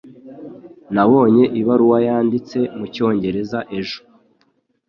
Nabonye ibaruwa yanditse mucyongereza ejo.